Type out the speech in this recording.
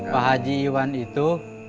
pak haji iwan itu